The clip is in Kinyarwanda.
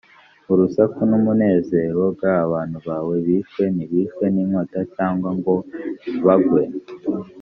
urusaku n umunezero g abantu bawe bishwe ntibishwe n inkota cyangwa ngo bagwe